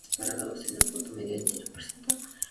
En el punto medio del interior presenta una elevación.